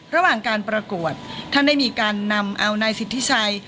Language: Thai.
ระหว่างการประกวดท่านได้มีการนำเอานายสิทธิชัย